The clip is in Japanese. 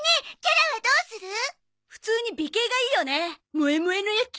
モエモエのやつ？